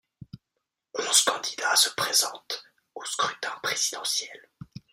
Onze candidats se présentent au scrutin présidentiel.